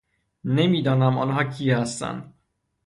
نمیدانم آنها کی هستند.